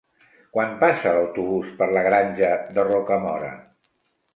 Quan passa l'autobús per la Granja de Rocamora?